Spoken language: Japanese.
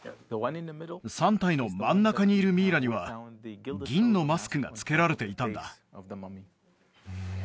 ３体の真ん中にいるミイラには銀のマスクがつけられていたんだ